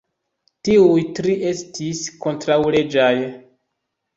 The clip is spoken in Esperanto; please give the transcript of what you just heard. Ĉiuj tri estis kontraŭleĝaj.